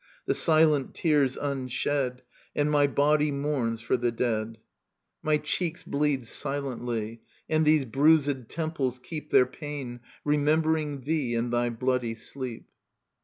The silent tears unshed. And my body mourns for the dead ; Digitized by VjOOQIC lo EURIPIDES My cheeks bleed silently, And these bruised temples keep Their pain, remembering thee And thy bloody sleep.